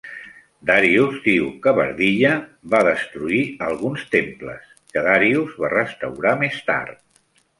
Darius diu que Bardiya va destruir alguns temples, que Darius va restaurar més tard.